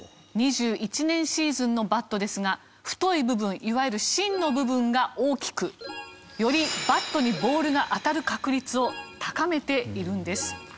２１年シーズンのバットですが太い部分いわゆる芯の部分が大きくよりバットにボールが当たる確率を高めているんです。